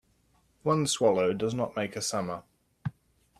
One swallow does not make a summer